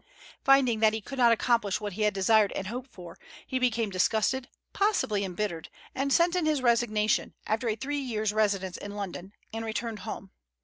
Finding that he could not accomplish what he had desired and hoped for, he became disgusted, possibly embittered, and sent in his resignation, after a three years' residence in London, and returned home.